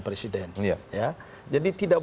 presiden jadi tidak